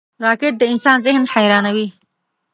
راکټ د انسان ذهن حیرانوي